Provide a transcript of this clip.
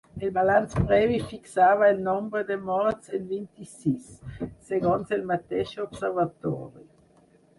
El balanç previ fixava el nombre de morts en vint-i-sis, segons el mateix observatori.